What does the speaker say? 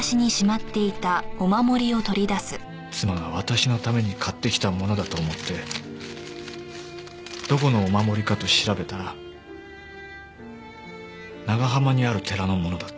妻が私のために買ってきたものだと思ってどこのお守りかと調べたら長浜にある寺のものだった。